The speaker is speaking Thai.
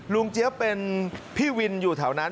ลุ่งเจ๊บเป็นที่พี่วินอยู่แถวนั้น